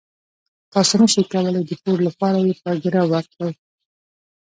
تاسو نشئ کولای د پور لپاره یې په ګرو ورکړئ.